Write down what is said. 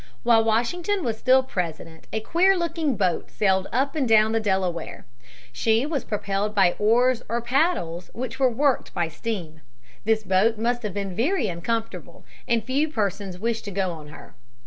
While Washington was still President, a queer looking boat sailed up and down the Delaware. She was propelled by oars or paddles which were worked by steam. This boat must have been very uncomfortable, and few persons wished to go on her.